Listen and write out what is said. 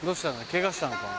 ケガしたのかな？